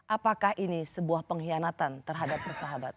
apakah ini sebuah pengkhianatan terhadap persahabatan